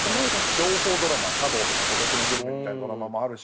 情報ドラマ「サ道」とか「孤独のグルメ」みたいなドラマもあるし